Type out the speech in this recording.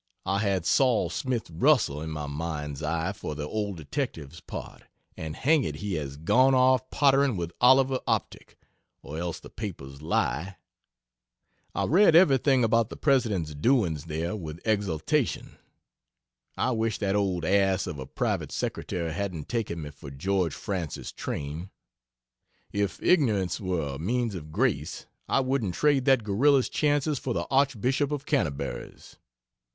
I had Sol Smith Russell in my mind's eye for the old detective's part, and hang it he has gone off pottering with Oliver Optic, or else the papers lie. I read everything about the President's doings there with exultation. I wish that old ass of a private secretary hadn't taken me for George Francis Train. If ignorance were a means of grace I wouldn't trade that gorilla's chances for the Archbishop of Canterbury's.